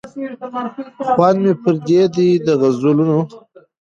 خوند مي پردی دی د غزلونو